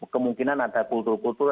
kemungkinan ada kultur kultur